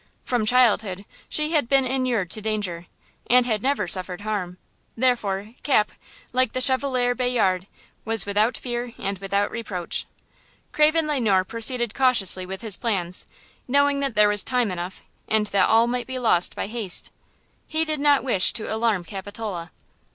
From childhood she had been inured to danger, and had never suffered harm; therefore, Cap, like the Chevalier Bayard, was "without fear and without reproach." Craven Le Noir proceeded cautiously with his plans, knowing that there was time enough and that all might be lost by haste. He did not wish to alarm Capitola.